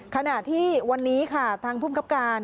ขณะที่วันนี้ค่ะทางภูมิครับการ